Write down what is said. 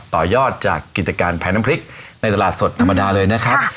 ต่อยอดจากกิจการแผนน้ำพริกในตลาดสดธรรมดาเลยนะครับ